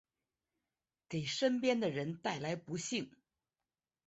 给身边的人带来不幸